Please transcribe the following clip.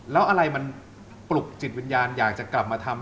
แล้วอะไรมันปลุกจิตวิญญาณอยากจะกลับมาทำ